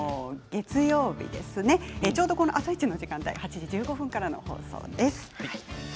ちょうど「あさイチ」の時間帯８時１５分からの放送です。